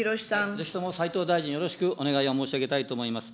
ぜひとも斉藤大臣、よろしくお願いを申し上げたいと思います。